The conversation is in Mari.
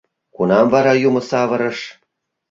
Кунам вара юмо савырыш?